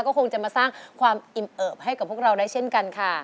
ก็คงจะมาสร้างความอิ่มเอิบให้กับพวกเราได้เช่นกันค่ะ